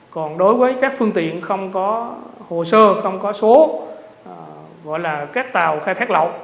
còn đối với các phương tiện không có hồ sơ không có số gọi là các tàu khai thác lậu